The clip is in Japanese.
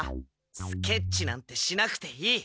スケッチなんてしなくていい！